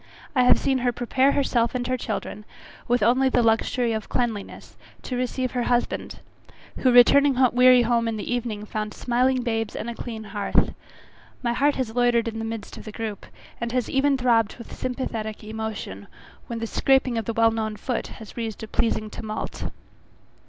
I have seen her prepare herself and children, with only the luxury of cleanliness, to receive her husband, who returning weary home in the evening, found smiling babes and a clean hearth. My heart has loitered in the midst of the group, and has even throbbed with sympathetic emotion, when the scraping of the well known foot has raised a pleasing tumult.